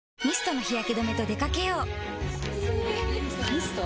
ミスト？